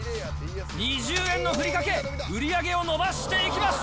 ２０円のふりかけ、売り上げを伸ばしていきます。